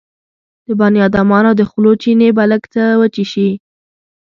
د بنيادمانو د خولو چينې به لږ څه وچې شوې.